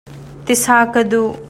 Ti sa ka duh.